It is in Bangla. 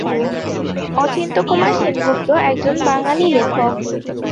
অচিন্ত্যকুমার সেনগুপ্ত একজন বাঙালি লেখক।